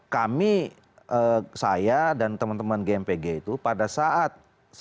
kami saya dan teman teman gmpg itu pada saat